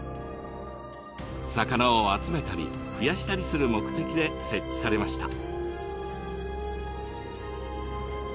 魚を集めたり増やしたりする目的で設置されました。